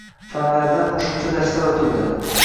Fanlaridan qoʻshimcha darslar oʻtildi.